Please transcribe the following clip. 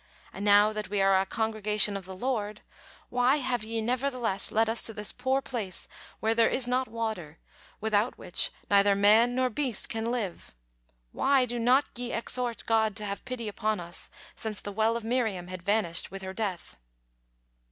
Now that we are 'a congregation of the Lord,' why have ye nevertheless led us to this poor place where there is not water, without which neither man nor beast can live? Why do not ye exhort God to have pity upon us since the well of Miriam had vanished with her death?"